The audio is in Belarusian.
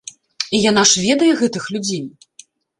І яна ж ведае гэтых людзей!